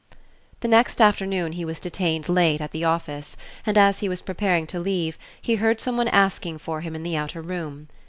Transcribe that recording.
The next afternoon he was detained late at his office, and as he was preparing to leave he heard someone asking for him in the outer room.